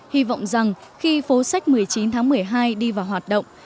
hy vọng rằng khi phố sách một mươi chín tháng một mươi hai đi vào hoạt động